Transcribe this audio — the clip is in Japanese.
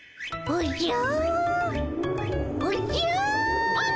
おじゃ！